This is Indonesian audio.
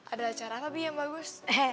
ada acara apa bi yang bagus